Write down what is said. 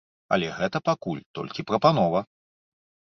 Але гэта пакуль толькі прапанова.